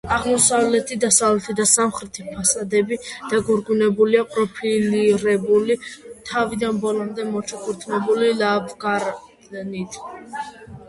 აღმოსავლეთი, დასავლეთი და სამხრეთი ფასადები დაგვირგვინებულია პროფილირებული, თავიდან ბოლომდე მოჩუქურთმებული ლავგარდნით.